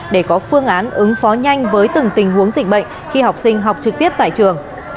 để có phương án ứng phó nhanh với từng tình huống dịch bệnh khi học sinh học trực tiếp tại trường